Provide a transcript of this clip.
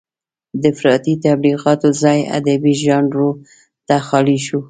د افراطي تبليغاتو ځای ادبي ژانرونو ته خالي شو.